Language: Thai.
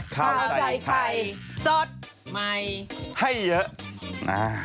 ข้าวใส่ไข่สดใหม่ให้เยอะอ่า